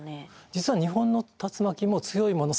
実は日本の竜巻も強いもの